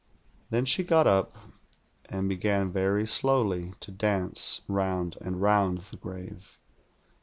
"Then she got up, and began very slowly to dance round and round the grave.